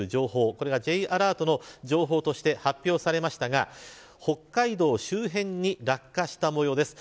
これがＪアラートの情報として発表されましたが北海道周辺に落下したもようです。